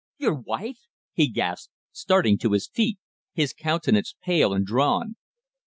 "Your wife!" he gasped, starting to his feet, his countenance pale and drawn.